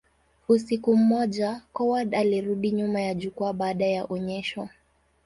Usiku mmoja, Coward alirudi nyuma ya jukwaa baada ya onyesho.